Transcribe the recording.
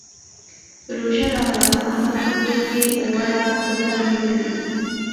روژه راغله؛ خو احمد په کور کې غوړه ګوته نه لري.